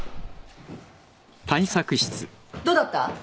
どうだった？